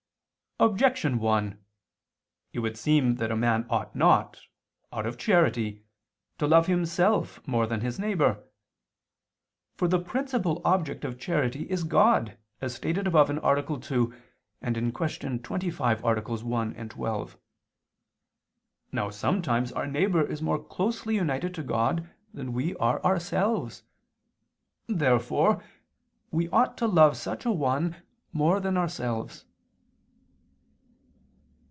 Objection 1: It would seem that a man ought not, out of charity, to love himself more than his neighbor. For the principal object of charity is God, as stated above (A. 2; Q. 25, AA. 1, 12). Now sometimes our neighbor is more closely united to God than we are ourselves. Therefore we ought to love such a one more than ourselves.